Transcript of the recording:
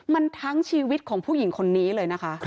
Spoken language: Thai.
มันทั้งชีวิตของผู้หญิงคนนี้เลยนะคะ